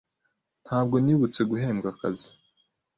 Ntabwo nibutse guhembwa akazi.